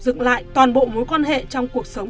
dựng lại toàn bộ mối quan hệ trong cuộc sống